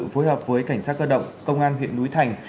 phối hợp với cảnh sát cơ động công an huyện núi thành